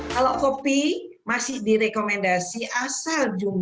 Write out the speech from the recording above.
kalau kopi masih direkomendasi asal jumlah kopi dan duriannya